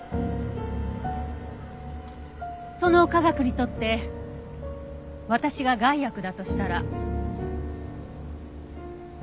その科学にとって私が害悪だとしたら？